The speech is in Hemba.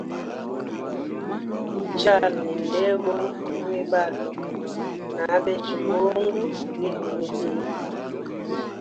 Uchala ni ndego mwibalo na abejya mbungu lili mwitimba.